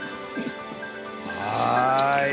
はい。